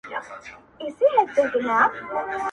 تور تم ته مي له سپیني ورځي بولي غلی غلی.!